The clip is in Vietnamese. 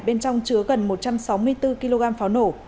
bên trong chứa gần một trăm sáu mươi bốn kg pháo nổ